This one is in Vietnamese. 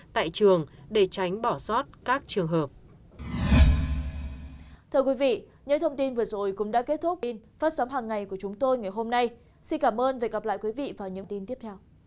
tại trường để tránh bỏ sót các trường hợp